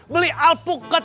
beli alpuk ketut